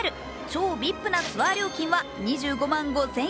超ＶＩＰなツアー料金は２５万５０００円。